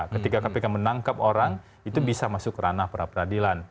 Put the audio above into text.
ketika kpk menangkap orang itu bisa masuk ranah pra peradilan